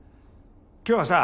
今日はさ